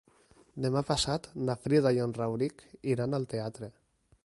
Demà passat na Frida i en Rauric iran al teatre.